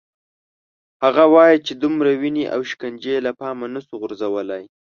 هغه وايي چې دومره وینې او شکنجې له پامه نه شو غورځولای.